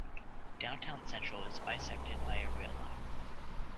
Downtown Central is bisected by a rail line.